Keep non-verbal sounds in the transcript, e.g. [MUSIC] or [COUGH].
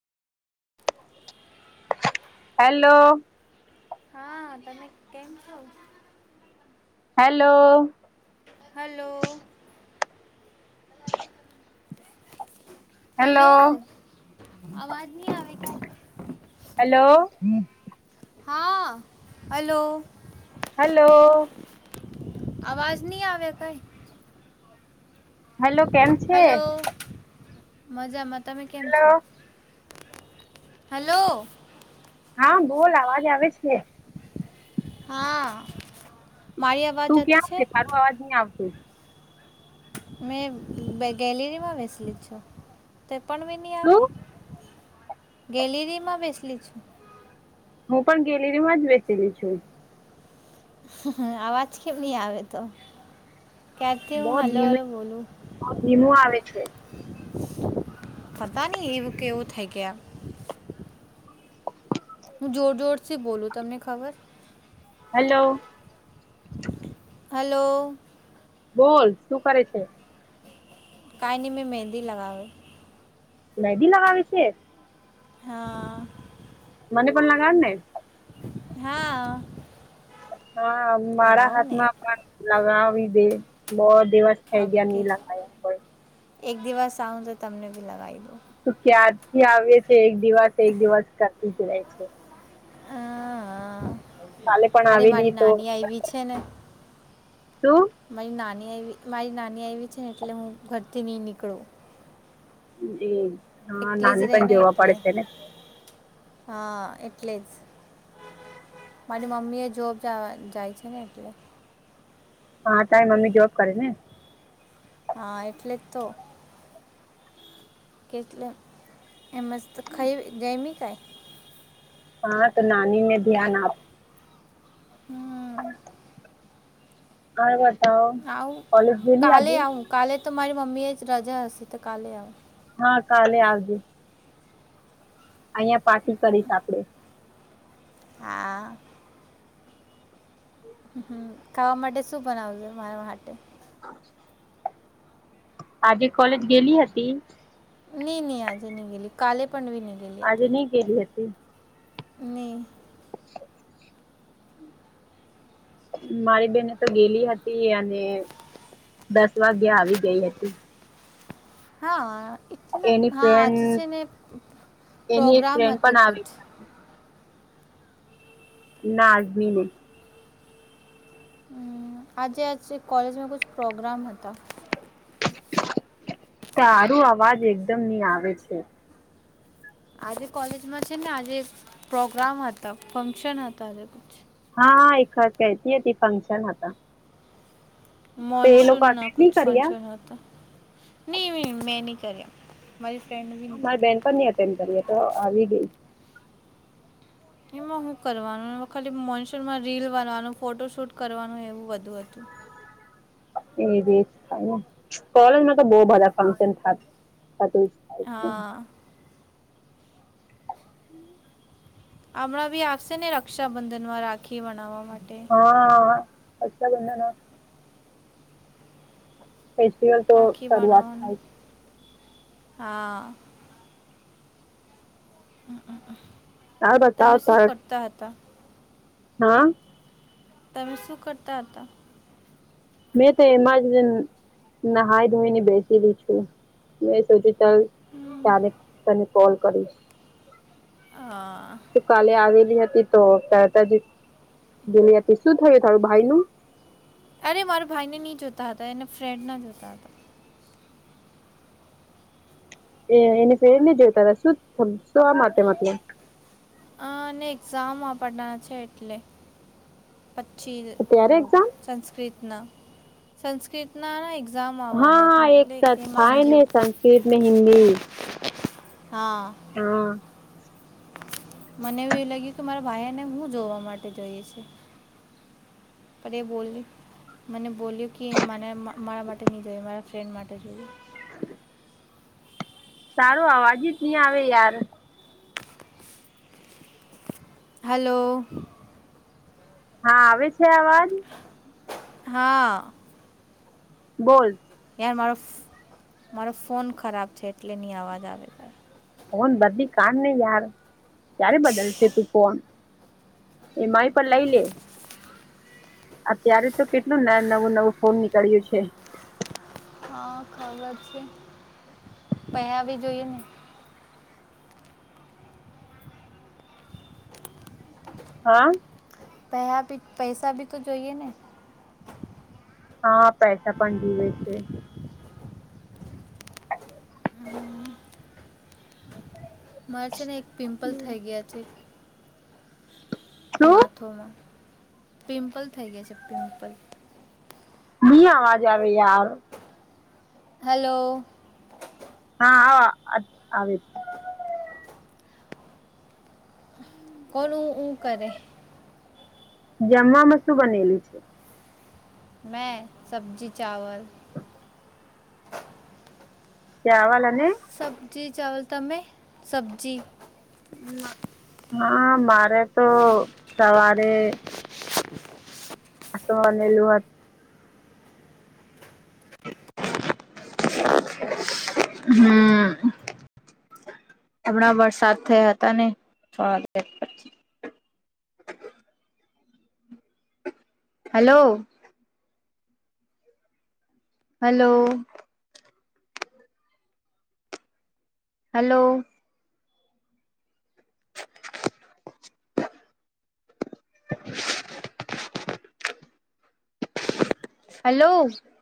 Hello. હા તમે કેમ છો? હેલો. હલો. હેલો હલો અવાજ નહી આવે કે હેલો. હા, હલો. હલો. અવાજ નહી આવેયા કઈ. હેલો કેમ છે હલો મજામાં તમે કેમ હેલો છો? હલો. હા બોલ અવાજ આવે છે. હા મારી અવાજ તું જતી ક્યાં છે. અવાજ નહી આવતો મેં ગેલેરીમાં બેસલી છું. તે પણ બ નહી આવે તું ગેલેરીમાં બેસલી છું. હું પણ ગેલેરી માં જ બેસેલી છું. હ અવાજ કેમ નહી આવે તો ક્યારથી હું હલો હલો બોલું. બ ધીમું આવે છે. પતા નહીં એવું કે એવું થઈ ગયા હું જોર જોર થી બોલું તમને ખબર હલો. હલો. બોલ શું કરે છે. કાયની મે મેહેંદી લગાવે મહેંદી લગાવી છે. હાં. મને પણ લગાવડને હા. હા મારા લગાવું ને હાથમાં પણ લગાવી દે બહુ દિવસ થઈ ગયા ઓકે નહી લગાવ્યા પણ એક દિવસ આવું તો તમને બી લગાવી દઉં. તું ક્યારથી આવીએ છે એક દિવસ એક દિવસ કરતી જ ર રહે છે. હ કાલે પણ [UNINTELLIGIBLE] અરે આવેલી મારી તો નાની આવી છે ને શું મારી નાની આવી મારી નાની આવી છે ને એટલે હું ઘરથી નહી નીકળું. એ હા એકલી જ નાની રહે પણ ને જોવા એટલે પડે છે ને હા એટલે જ મારી મમ્મી એ જોબ જાય છે ને એટલે હા તારી મમ્મી જોબ કરે ને હા એટલે જ તો કેટલે એ મસ્ત ખાઈ ગઈમી કાઈ હા તો નની મેં ધ્યાન આપ હા. હરે બતા આવું કોલેજ ગેલી કાલે આજે. આવું કાલે તો મારી મમ્મી જ રજા હશે તો કાલે આવ. હા કાલે આવજે. અહીંયા પાર્ટી કરીશ આપડે. હા. હમ ખાવા માટે શું બનાવજો મારા માટે. આજે કોલેજ ગેલી હતી. નહી નહી આજે ન ગેલી કાલે પણવી નહી આજે નહી ગલી હતી. નહી. [INAUDIBLE] મારી બેને તો ગેલી હતી અને દસ વાગ્યા આવી ગઈ હતી. હા એટલે એની હા આજે છે ને ફ્રેન્ડ એની એક પ્રોગ્રામ ફ્રેન્ડ પણ હતું આવી કુછ ના આજ ની ગયી આજે આજે કોલેજમાં ક પ્રોગ્રામ હતો. તારું અવાજ એકદમ ની આવે છે. આજે કોલેજમાં છે ને આજે પ્રોગ્રામ હતા ફંક્શન હતો આજે હા હા એક વાત કતી હતી ફંક્શન હતો. મોનસૂન ના અટેન્ડ કછ નહી ફંક્કશન કર્યા હોતા નહી મેં નહી કર્યા મારી ફ્રેન્ડ બી હા નહીં મારી કરી બેન પણ નની અટેન્ડ કરીએ તો આવી ગઈ. એમાં હું કરવાનું એ ખાલી મોનસૂનમાં રીલ બનવાનું ફોટો શૂટ કરવાનું એવું બધું હતું. એવીીજ થાય ને કોલેજમાં તો બહ બધા ફંક્શન થું આ ને. હા હમણાં બી આશે ને રક્ષાબંધનમાં રાખી બનાવવા માટે. હા અચછા બનના ફેસ્ટિવલ તો રાખી શરૂઆત બનાવવાનું થાય છે. હા. તાર બતાવ તમે શું તાર કરતા હતા. હા. તમે શું કરતા હતા. મેં તો એમાં જ નહાઈ ધોઈ ને બેસીલી છું. મેં સોચ્યું ચાલ ત્યારે તને કોલ કરીશ. હા. કાલે આવેલી હતી તો ત ત ગેલી હતી શું થયું તારું ભાઈનું. અરે મારા ભાઈ ને નહી જોતા હતા એના ફ્રેન્ડ ના જોતા હતા. એ એને ફ્રેન્ડ જોતા હતા સુું શું આ માટે મતલબ. આ અનેને એક્ઝામ આપડના છે એટલે પછી કહુ. ત્યારે એક્ઝામ સંસ્કૃતના સંસ્કૃત ના ના એક્ઝામ હા આવવાના છે હા એક એટલે સાથ એ થાય ને માગ્યું. સંસ્કૃત ને હિન્દી હા. હા. મને એવું એવું લાગ્યું કે મારા ભાઈને હું જોવા માટે જઈએ છુ. પર એ બોલ્યું મને બોલ્યું કે મને મારા માટે નહીં જોયું મારા ફ્રેન્ડ માટે જોયું. તારો અવાજ જ નહી આવે યાર. હાલો. હા આવે છે આવાજ. હા. બોલ. યાર મારો મારો ફોન ખરાબ છે એટલે નહીં અવાજ આવે ત. ફોન બધી કાન નને યાર ક્યારે બદલશે તું ફોન. એ માય પણ લઈ લે. અત્યારે તો કેટલું નવું નવું ફોન નીકળ્યું છે. હા ખબર છે પહેવી જોઈએ ને હા. પયાભી પૈસા બી તો જોઈએ ને. હા પૈસા પણ જુવે છે. મારે છે ને એક પિમ્પલ થઈ ગયા છે. શું માથોમાં પિમ્પલ થઇ ગયા છે પિમ્પલ ની આવાજ આવે યાર. હલો. હા આવે કોણું હુ કરે. જમવાવામાં શું બનેલું. મેં સબ્જી ચાવલ. કેવાલની. [UNINTELLIGIBLE] સબ્જી ચાવલ તમે? સબ્જી. હા મારે તો સવારે અ મનેલું હતત હમ. હમણાં વરસાદ થયા હતા ને. પછી હલો. હલો. હલો. [INAUDIBLE] હલો.